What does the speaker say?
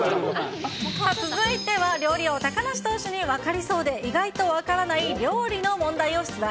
続いては料理王、高梨投手に分かりそうで意外と分からない料理の問題を出題。